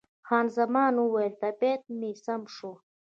خان زمان وویل، طبیعت مې سم شو.